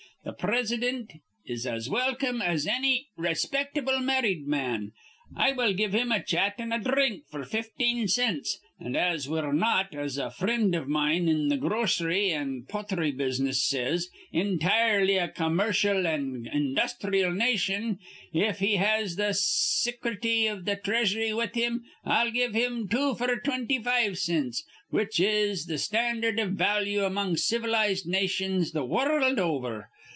Th' Presidint is as welcome as anny rayspictable marrid man. I will give him a chat an' a dhrink f'r fifteen cints; an', as we're not, as a frind iv mine in th' grocery an' pothry business says, intirely a commercial an' industhreel nation, if he has th' Sicrety iv th' Threasury with him, I'll give thim two f'r twinty five cints, which is th' standard iv value among civilized nations th' wurruld over.